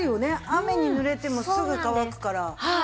雨にぬれてもすぐ乾くから。